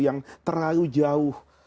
yang terlalu jauh